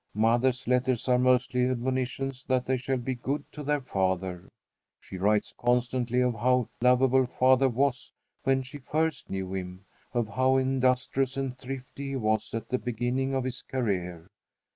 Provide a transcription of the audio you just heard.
Mother's letters are mostly admonitions that they shall be good to their father. She writes constantly of how lovable father was when she first knew him, of how industrious and thrifty he was at the beginning of his career.